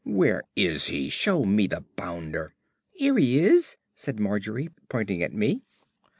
"Where is he? Show me the bounder." "'Ere he is," said Margery, pointing at me.